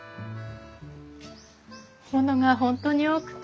物が本当に多くて。